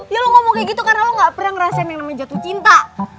jadi lo ngomong kayak gitu karena lo nggak pernah ngerasain yang namanya jatuh cinta